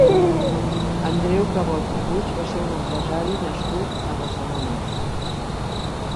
Andreu Cabot i Puig va ser un empresari nascut a Barcelona.